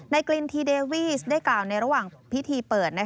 กลิ่นทีเดวีสได้กล่าวในระหว่างพิธีเปิด